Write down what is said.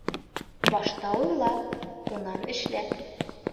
Башта уйла, унан эшлә.